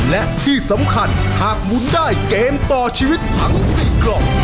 และที่สำคัญหากหมุนได้เกมต่อชีวิตทั้ง๔กล่อง